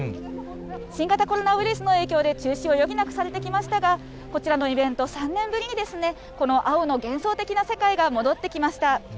新型コロナウイルスの影響で中止を余儀なくされてきましたが、こちらのイベント、３年ぶりに、この青の幻想的な世界が戻ってきました。